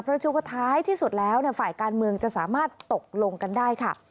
เพราะเชื่อว่าท้ายที่สุดแล้วฝ่ายการเมืองจะสามารถตกลงกันได้ค่ะ